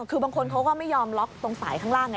คือบางคนเขาก็ไม่ยอมล็อกตรงสายข้างล่างไง